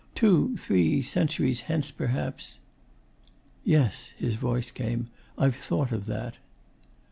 Two, three centuries hence, perhaps ' 'Yes,' his voice came. 'I've thought of that.